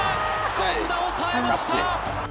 権田抑えました！